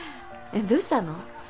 どうしたの？